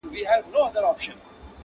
نه به ګرځي لېونی واسکټ په ښار کي٫